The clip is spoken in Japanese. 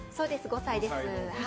５歳です。